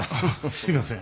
すいません。